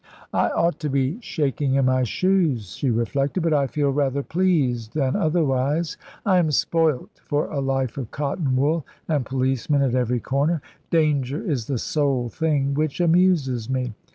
"I ought to be shaking in my shoes," she reflected, "but I feel rather pleased than otherwise. I am spoilt for a life of cotton wool and policemen at every corner. Danger is the sole thing which amuses me.